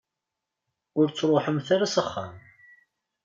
Ur ttruḥumt ara s axxam.